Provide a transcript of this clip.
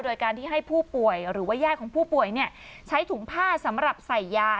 โดยการที่ให้ผู้ป่วยหรือว่าญาติของผู้ป่วยใช้ถุงผ้าสำหรับใส่ยา